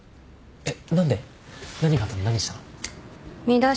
えっ？